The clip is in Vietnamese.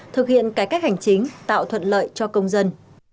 thực hiện cải cách hành chính tạo thuận lợi cho công dân